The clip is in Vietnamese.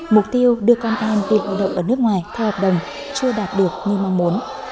mục tiêu đưa con em đi lao động ở nước ngoài theo hợp đồng chưa đạt được như mong muốn